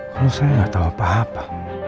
kalau saya nggak tahu apa apa